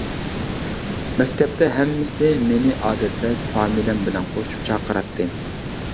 مەكتەپتە ھەممىسى مېنى ئادەتتە فامىلەم بىلەن قوشۇپ چاقىراتتى.